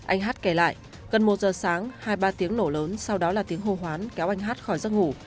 anh hát kể lại gần một giờ sáng hai ba tiếng nổ lớn sau đó là tiếng hô hoán kéo anh hát khỏi giấc ngủ